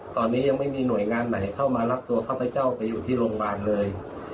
ตอนนี้ยังไม่มีหน่วยงานไหนเข้ามารับตัวข้าพเจ้าไปอยู่ที่โรงพยาบาลเลย